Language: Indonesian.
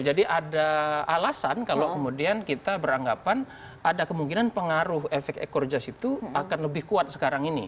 jadi ada alasan kalau kemudian kita beranggapan ada kemungkinan pengaruh efek ekorjas itu akan lebih kuat sekarang ini